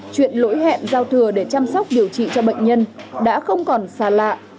chuyện lỗi hẹn giao thừa để chăm sóc điều trị cho bệnh nhân đã không còn xa lạ